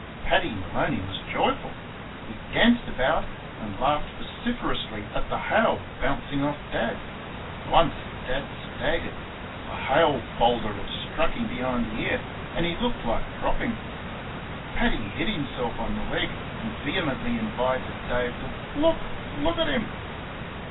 Paddy Maloney was joyful. He danced about and laughed vociferously at the hail bouncing off Dad. Once Dad staggered a hail boulder had struck him behind the ear and he looked like dropping. Paddy hit himself on the leg, and vehemently invited Dave to "Look, LOOK at him!"